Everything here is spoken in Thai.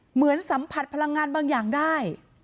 เหมือนสัมผัสพลังงานบางอย่างได้